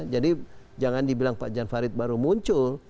jadi jangan dibilang pak jan farid baru muncul